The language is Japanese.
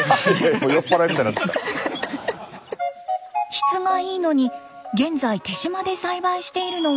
質がいいのに現在手島で栽培しているのは高橋さんだけ。